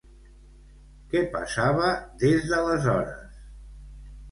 Què passava des d'aleshores?